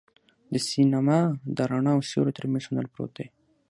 د سینما د رڼا او سیوري تر منځ هنر پروت دی.